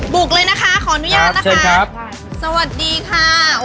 บุกเลยนะคะขออนุญาตนะคะสวัสดีค่ะ